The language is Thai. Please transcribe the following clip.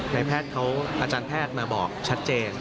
แพทย์เขาอาจารย์แพทย์มาบอกชัดเจน